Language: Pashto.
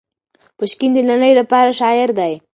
پوشکین د نړۍ لپاره شاعر دی.